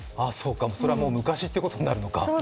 それはもう昔ってことになるのか。